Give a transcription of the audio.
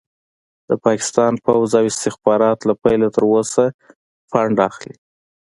د پاکستان پوځ او استخبارات له پيله تر اوسه فنډ اخلي.